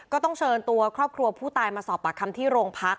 ก็ต้องเชิญตัวครอบครัวผู้ตายมาสอบปากคำที่โรงพัก